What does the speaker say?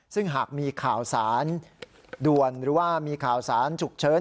ซึ่งหากมีข่าวสารด่วนหรือว่ามีข่าวสารฉุกเฉิน